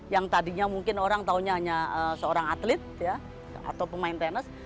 yang tadinya mungkin orang tahunya hanya seorang atlet ya atau pemain tenis